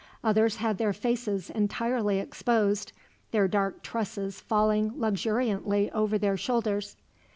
Others had their faces entirely exposed, their dark tresses falling luxuriantly ever their shoulders.